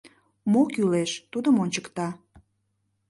Мо кӱлеш — тудым ончыкта.